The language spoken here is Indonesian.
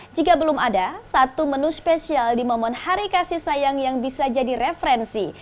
jika belum ada satu menu spesial di momen hari kasih sayang yang bisa jadi referensi